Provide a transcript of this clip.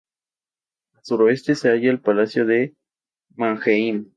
Al suroeste se halla el Palacio de Mannheim.